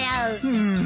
うん。